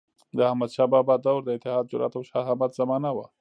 د احمدشاه بابا دور د اتحاد، جرئت او شهامت زمانه وه.